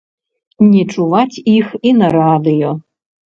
Не чуваць іх і на радыё.